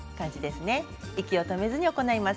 息を止めずに行います。